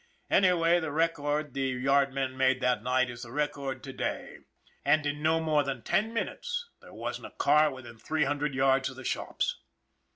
Anyway, the record the yardmen made that night is the record to day, and in no more than ten minutes there wasn't a car within three hundred yards of the shops.